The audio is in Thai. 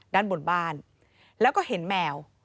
ด้านบนบ้านแล้วก็เห็นแมว